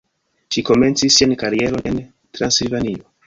Ŝi komencis sian karieron en Transilvanio.